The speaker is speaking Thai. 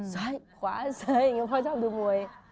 ซ้อยขวาซ้อยพ่อชอบดูมวย